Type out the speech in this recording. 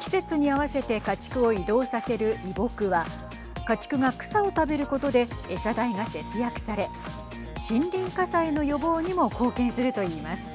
季節に合わせて家畜を移動させる移牧は家畜が草を食べることで餌代が節約され森林火災の予防にも貢献するといいます。